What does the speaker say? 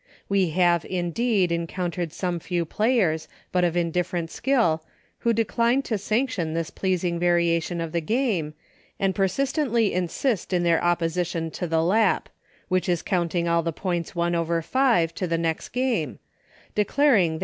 We have indeed encountered some few play ers, but of indifferent skill, who decline to sanction this pleasing variation of the game, and persistently insist in their opposition to the Lap — which is counting all the points won over five to the next game — declaring that (59) 60 EUCHRE.